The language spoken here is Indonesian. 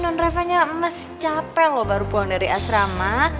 nondreva nya masih capek loh baru pulang dari asrama